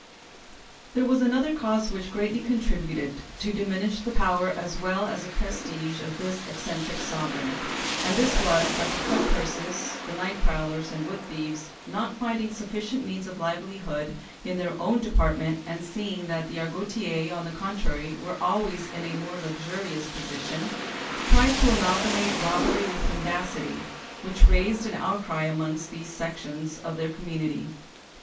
] There was another cause which greatly contributed to diminish the power as well as the prestige of this eccentric sovereign, and this was, that the cut purses, the night prowlers and wood thieves, not finding sufficient means of livelihood in their own department, and seeing that the Argotiers, on the contrary, were always in a more luxurious position, tried to amalgamate robbery with mendicity, which raised an outcry amongst these sections of their community.